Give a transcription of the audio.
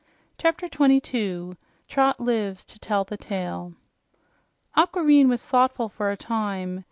CHAPTER 22 TROT LIVES TO TELL THE TALE Aquareine was thoughtful for a time.